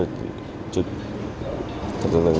nghe tin mà